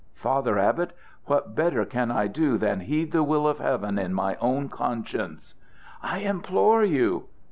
"Father Abbot, what better can I do than heed the will of Heaven in my own conscience?" "I implore you!"